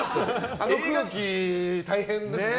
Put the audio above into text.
あの空気大変ですよね。